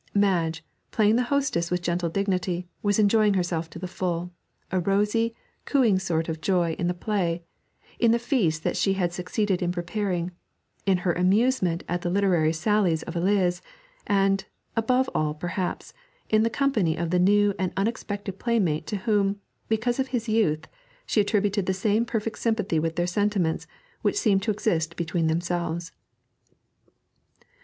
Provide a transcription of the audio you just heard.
Madge, playing the hostess with gentle dignity, was enjoying herself to the full, a rosy, cooing sort of joy in the play, in the feast that she had succeeded in preparing, in her amusement at the literary sallies of Eliz, and, above all perhaps, in the company of the new and unexpected playmate to whom, because of his youth, she attributed the same perfect sympathy with their sentiments which seemed to exist between themselves.